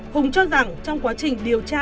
hùng cho rằng trong quá trình điều tra